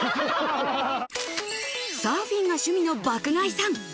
サーフィンが趣味の爆買いさん